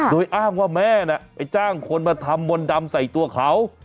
โดยอ้างว่าแม่น่ะไปจ้างคนมาทำมนต์ดำใส่ตัวเขา